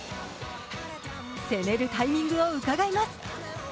攻めるタイミングをうかがいます。